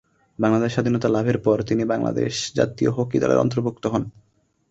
বাংলাদেশ স্বাধীনতা লাভের পর তিনি বাংলাদেশ জাতীয় হকি দলে অন্তর্ভুক্ত হন।